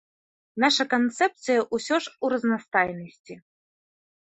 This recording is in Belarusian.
Наша канцэпцыя ўсё ж у разнастайнасці.